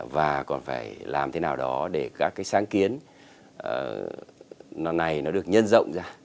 và còn phải làm thế nào đó để các cái sáng kiến này nó được nhân rộng ra